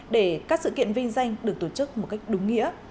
để các sự kiện vinh danh được tổ chức một cách đúng nghĩa